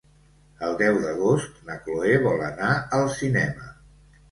El deu d'agost na Cloè vol anar al cinema.